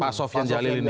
passofian jalil ini ya